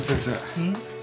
うん？